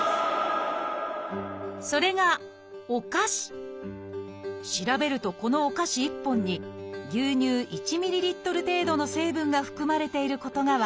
それが調べるとこのお菓子１本に牛乳１ｍＬ程度の成分が含まれていることが分かったのです。